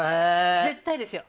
絶対ですよ。